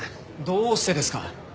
どうしてですか？